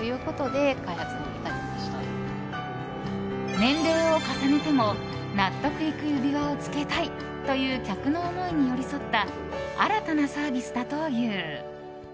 年齢を重ねても納得いく指輪を着けたいという客の思いに寄り添った新たなサービスだという。